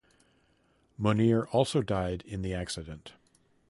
Munier also died in the accident.